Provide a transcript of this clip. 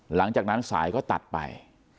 หลังจากนั้นสายก็ตัดไป